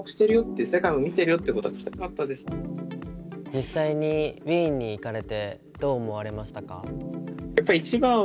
実際にウィーンに行かれてどう思われましたか？